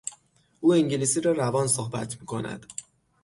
او انگلیسی را روان صبحت میکند.